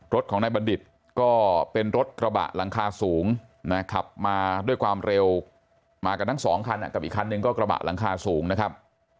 รถของนายบัณฑิตก็เป็นรถกระบะหลังคาสูงนะขับมาด้วยความเร็วมากันทั้งสองคันกับอีกคันหนึ่งก็กระบะหลังคาสูงนะครับ